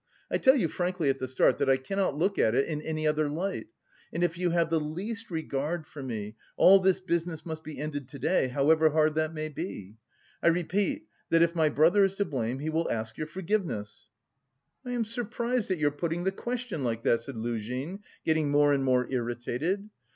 I tell you frankly at the start that I cannot look at it in any other light, and if you have the least regard for me, all this business must be ended to day, however hard that may be. I repeat that if my brother is to blame he will ask your forgiveness." "I am surprised at your putting the question like that," said Luzhin, getting more and more irritated.